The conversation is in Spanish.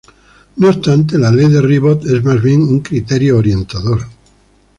No obstante, la ley de Ribot es más bien un criterio orientador.